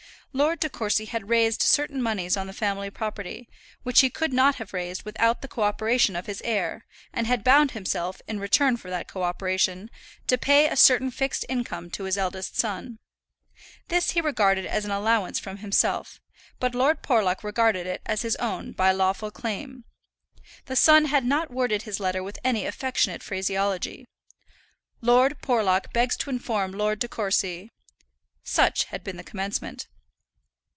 Lord De Courcy had raised certain moneys on the family property, which he could not have raised without the co operation of his heir, and had bound himself, in return for that co operation, to pay a certain fixed income to his eldest son. This he regarded as an allowance from himself; but Lord Porlock regarded it as his own, by lawful claim. The son had not worded his letter with any affectionate phraseology. "Lord Porlock begs to inform Lord De Courcy " Such had been the commencement.